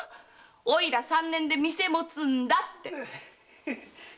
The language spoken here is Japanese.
「おいら三年で店持つんだ」って！